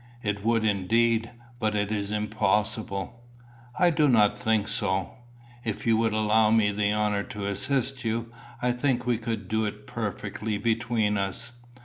"It would indeed. But it is impossible." "I do not think so if you would allow me the honour to assist you. I think we could do it perfectly between us."